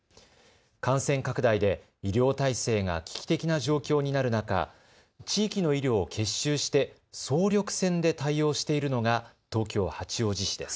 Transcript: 感染拡大で医療体制が危機的な状況になる中、地域の医療を結集して総力戦で対応しているのが東京八王子市です。